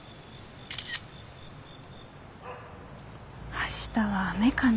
明日は雨かな。